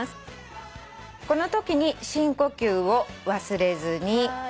このときに深呼吸を忘れずに。